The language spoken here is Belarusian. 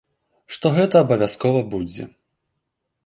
Што гэта абавязкова будзе.